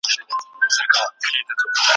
په خپل مړي هوسیږي که یې زوړ دی که یې شاب دی